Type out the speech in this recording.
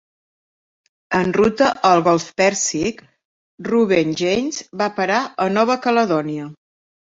En ruta al golf Pèrsic, "Reuben James" va parar a Nova Caledònia.